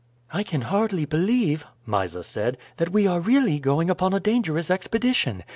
"I can hardly believe," Mysa said, "that we are really going upon a dangerous expedition.